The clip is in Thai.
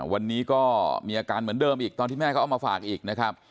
วันนี้ก็มีอาการเหมือนเดิมอีกตอนที่แม่เขาเอามาฝากอีกนะครับ